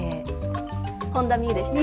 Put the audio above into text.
本田望結でした。